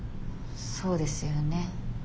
そうですよね。